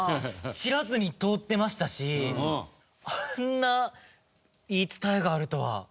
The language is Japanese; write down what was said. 知らずに通ってましたしあんな言い伝えがあるとは。